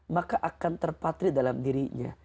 maka akan terpatrit dalam dirinya